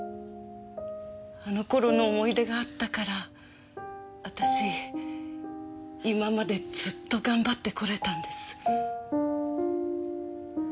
あの頃の思い出があったから私今までずっと頑張ってこれたんです。